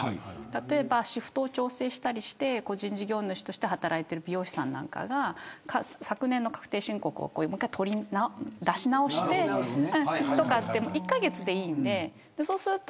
例えばシフトを調整したりして個人事業主として働いている美容師さんなんかが昨年の確定申告を出しなおしてとか１カ月でいいので。